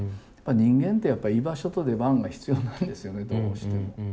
人間ってやっぱ居場所と出番が必要なんですよねどうしても。